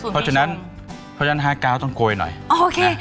๖๐ปีชงเพราะฉะนั้น๕๙ต้องโกยหน่อยนะโอเค